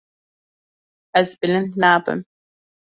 Ez bilind nabim.